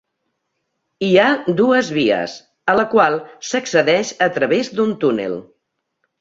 Hi ha dues vies, a la qual s'accedeix a través d'un túnel.